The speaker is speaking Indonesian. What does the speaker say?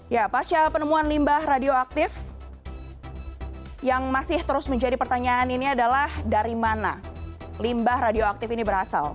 ya pasca penemuan limbah radioaktif yang masih terus menjadi pertanyaan ini adalah dari mana limbah radioaktif ini berasal